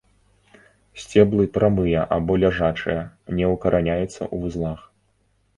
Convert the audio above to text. Сцеблы прамыя або ляжачыя, не укараняюцца ў вузлах.